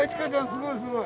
すごいすごい。